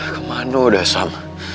kemana udah sam